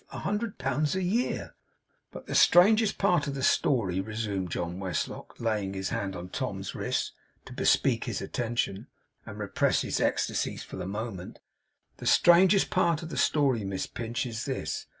A hundred pounds a year!' 'But the strangest part of the story,' resumed John Westlock, laying his hand on Tom's wrist, to bespeak his attention, and repress his ecstasies for the moment; 'the strangest part of the story, Miss Pinch, is this.